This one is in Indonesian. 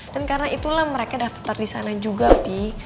dan karena itulah mereka daftar di sana juga pi